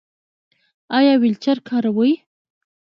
ایا ویلچیر کاروئ؟